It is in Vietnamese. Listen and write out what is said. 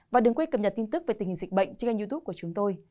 và đừng quên cập nhật tin tức về tình hình dịch bệnh trên kênh youtube của chúng tôi